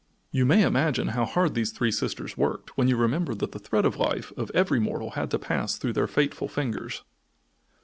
You may imagine how hard these three sisters worked when you remember that the thread of life of every mortal had to pass through their fateful fingers.